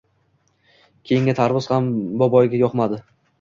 Keyingi tarvuz ham boboyga yoqmadi